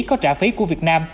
có trả phí của việt nam